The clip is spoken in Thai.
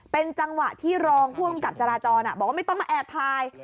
เป็นจังหวะที่รองผู้กำกับจราจรบอกว่าไม่ต้องมาแอบถ่าย